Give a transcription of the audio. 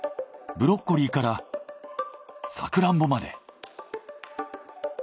ブロッコリーからサクランボまで。